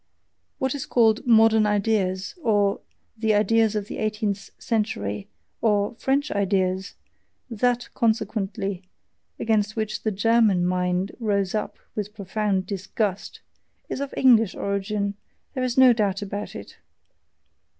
What is called "modern ideas," or "the ideas of the eighteenth century," or "French ideas" that, consequently, against which the GERMAN mind rose up with profound disgust is of English origin, there is no doubt about it.